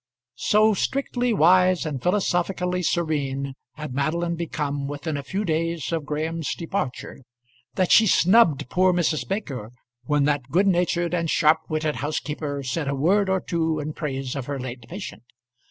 So strictly wise and philosophically serene had Madeline become within a few days of Graham's departure, that she snubbed poor Mrs. Baker, when that good natured and sharp witted housekeeper said a word or two in praise of her late patient.